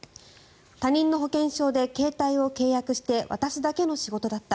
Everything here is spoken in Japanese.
他人の保険証で携帯を契約して渡すだけの仕事だった